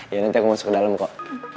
ya nanti aku masuk ke dalam kok